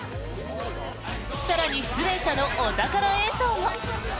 更に、出演者のお宝映像も。